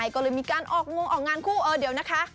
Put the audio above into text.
ก็เลยมีการออกงงออกงานคู่เออเดี๋ยวนะคะ